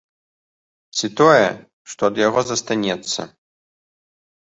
Ці тое, што ад яго застанецца.